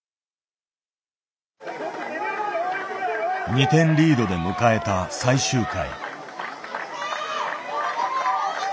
２点リードで迎えた最終回。